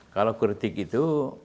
kalau kritik itu